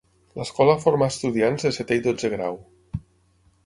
L'escola forma a estudiants de setè i dotzè grau.